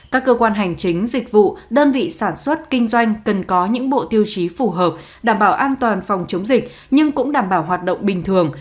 các cơ quan hành chính dịch vụ đơn vị sản xuất kinh doanh cần có những bộ tiêu chí phù hợp đảm bảo an toàn phòng chống dịch nhưng cũng đảm bảo hoạt động bình thường